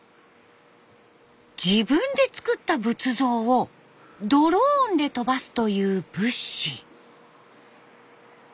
自分で作った仏像をドローンで飛ばすという仏師。